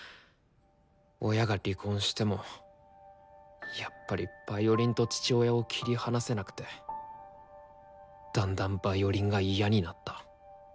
親が離婚してもやっぱりヴァイオリンと父親を切り離せなくてだんだんヴァイオリンが嫌になった。